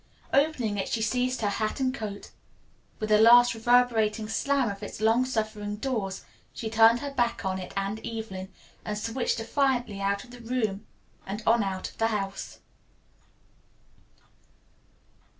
Opening it she seized her hat and coat. With a last reverberating slam of its long suffering doors she turned her back on it and Evelyn, and switched defiantly out of the room and on out of the house.